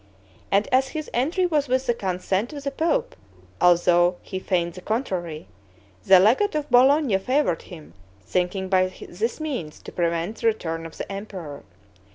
And as his entry was with the consent of the pope, although he feigned the contrary, the legate of Bologna favored him, thinking by this means to prevent the return of the emperor.